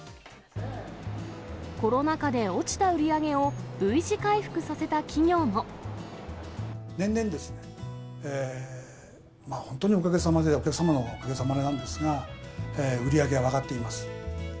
コロナ禍で落ちた売り上げを、年々、本当におかげさまで、お客様のおかげさまなんですが、売り上げは上がっています。